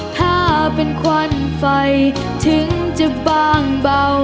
ถ้าเป็นควันไฟถึงจะบางเบา